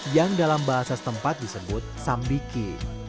yang dalam bahasa setempat disebut sambiki